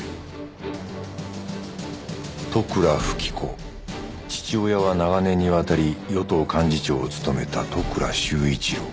利倉富貴子父親は長年にわたり与党幹事長を務めた利倉修一郎